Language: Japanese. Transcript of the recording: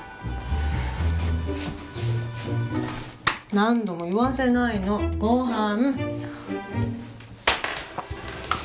何度も言わせないのごはん！